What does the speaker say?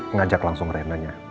ngajak langsung renanya